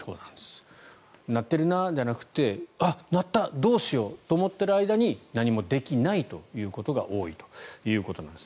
鳴ってるなじゃなくてあ、鳴ったどうしようと思っている間に何もできないということが多いということなんです。